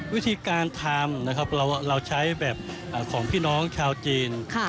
วิธีการทำนะครับเราใช้แบบของพี่น้องชาวจีน